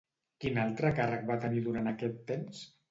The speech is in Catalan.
Quin altre càrrec va tenir durant aquest temps?